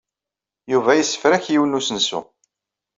Yuba yessefrak yiwen n usensu.